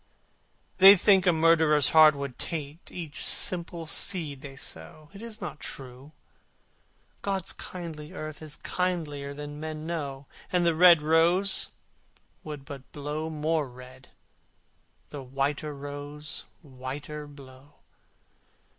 They think a murderer's heart would taint Each simple seed they sow. It is not true! God's kindly earth Is kindlier than men know, And the red rose would but glow more red, The white rose whiter blow.